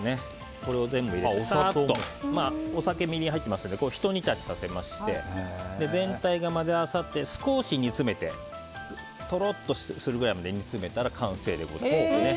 これを全部入れてお酒、みりんが入っているのでひと煮立ちさせまして全体が混ぜ合わさってとろっとするぐらいまで煮詰めたら完成でございます。